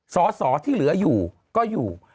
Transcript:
สอสอที่เหลืออยู่ก็อยู่